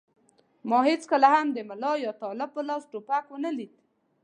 ما هېڅکله هم د ملا یا طالب په لاس ټوپک و نه لید.